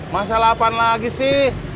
masalah apaan lagi sih